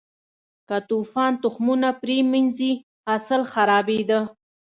که توپان تخمونه پرې منځي، حاصل خرابېده.